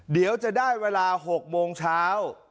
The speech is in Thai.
เดี๋ยวจะได้เวลา๖โมงเช้า